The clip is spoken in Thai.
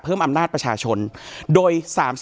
เพิ่มอำนาจประชาชนโดย